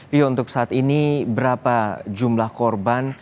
rio untuk saat ini berapa jumlah korban